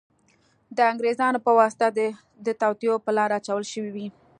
د انګریزانو په واسطه د توطیو په لار اچول شوې وې.